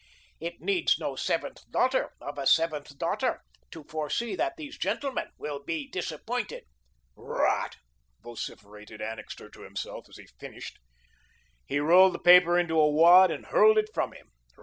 It needs no seventh daughter of a seventh daughter to foresee that these gentlemen will be disappointed." "Rot!" vociferated Annixter to himself as he finished. He rolled the paper into a wad and hurled it from him.